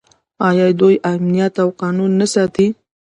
آیا دوی امنیت او قانون نه ساتي؟